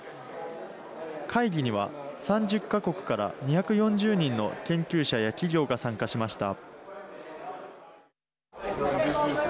会議には、３０か国から２４０人の研究者や企業が参加しました。